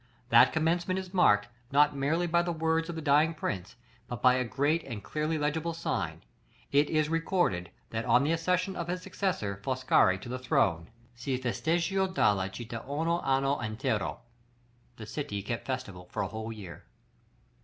That commencement is marked, not merely by the words of the dying Prince, but by a great and clearly legible sign. It is recorded, that on the accession of his successor, Foscari, to the throne, "SI FESTEGGIO DALLA CITTA UNO ANNO INTERO:" "The city kept festival for a whole year."